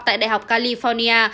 tại đại học california